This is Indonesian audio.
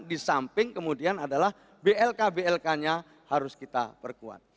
di samping kemudian adalah blk blk nya harus kita perkuat